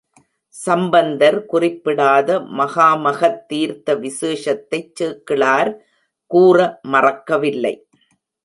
சம்பந்தர் குறிப்பிடாத மகாமகத் தீர்த்த விசேஷத்தைச் சேக்கிழார் கூற மறக்கவில்லை.